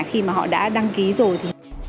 khi mà họ đã đăng ký rồi